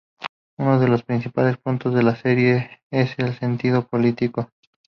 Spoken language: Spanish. Uno de los principales puntos de la serie es el sentido político.